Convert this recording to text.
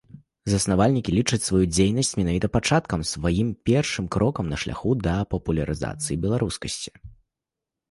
Заснавальнікі лічаць сваю дзейнасць менавіта пачаткам, сваім першым крокам на шляху да папулярызацыі беларускасці.